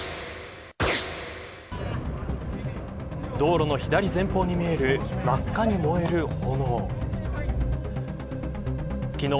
道路の左前方に見える真っ赤に燃える炎。